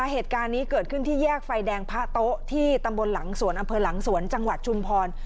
เหตุการณ์นี้เกิดขึ้นที่แยกไฟแดงพระโต๊ะที่ตำบลหลังสวนอำเภอหลังสวนจังหวัดชุมพร